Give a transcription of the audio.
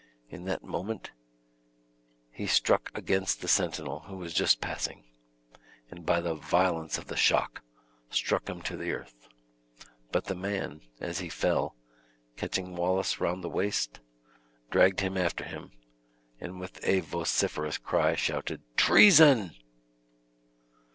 In that moment he struck against the sentinel, who was just passing, and by the violence of the shock struck him to the earth; but the man, as he fell, catching Wallace round the waist, dragged him after him, and with a vociferous cry, shouted "Treason!"